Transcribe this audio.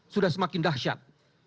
sudah semakin dahsyat